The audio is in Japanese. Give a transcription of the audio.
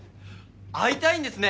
会いたいんですね！